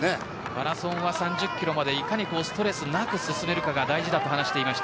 マラソンは３０キロまでいかにストレスなく進めるかが大事と話していました。